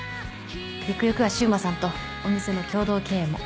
ゆくゆくは柊磨さんとお店の共同経営も。